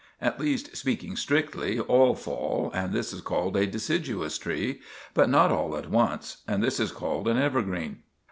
At least, speaking strictly, all fall, and this is called a deciduous tree; but not all at once, and this is called an evergreen.